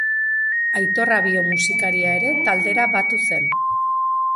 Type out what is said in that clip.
Aitor Abio musikaria ere taldera batu zen.